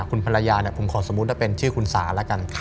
คุณภรรยาผมขอดูสมมุติแก่ชื่อคุณสาแล้วกัน